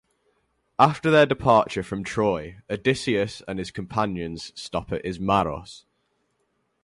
After their departure from Troy, Odysseus and his companions stop at Ismaros.